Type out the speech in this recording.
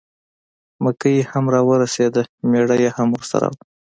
مکۍ هم را ورسېده مېړه یې هم ورسره و.